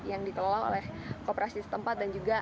yang dikelola oleh kooperasi setempat dan juga